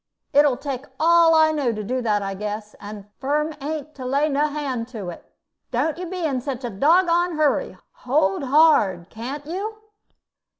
It 'll take all I know to do that, I guess; and Firm ain't to lay no hand to it. Don't you be in such a doggoned hurry. Hold hard, can't you?"